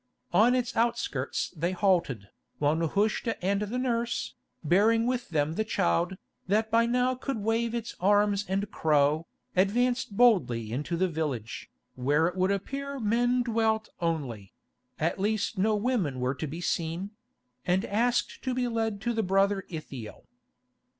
On its outskirts they halted, while Nehushta and the nurse, bearing with them the child, that by now could wave its arms and crow, advanced boldly into the village, where it would appear men dwelt only—at least no women were to be seen—and asked to be led to the Brother Ithiel.